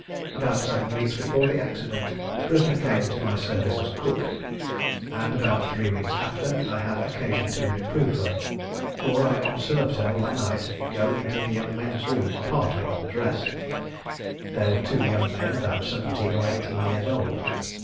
About seven weeks before the accident, the prisoner came into my service as cook; and about three weeks after, I had occasion to reprove her, for I observed her, one night, go into the young men's room partly undressed. There were two young men, about seventeen or eighteen years old.